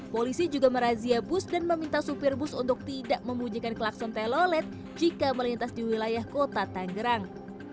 polisi juga merazia bus dan meminta supir bus untuk tidak membunyikan klakson telolet jika melintas di wilayah kota tanggerang